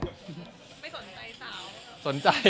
ไม่สนใจสาว